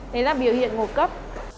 đấy là biểu hiện ngột cấp